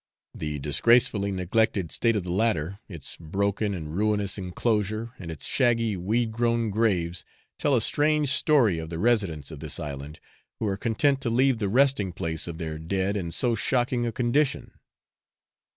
The disgracefully neglected state of the latter, its broken and ruinous enclosure, and its shaggy weed grown graves, tell a strange story of the residents of this island, who are content to leave the resting place of their dead in so shocking a condition.